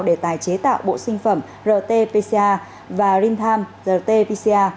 để tài chế tạo bộ sinh phẩm rt pca và rintam rt pca